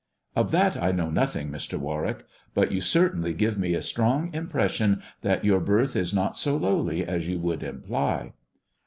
"Of that I know nothing, Mr. Warwick; but you certainly give me a strong impression that your birth is not so lowly as you would imply."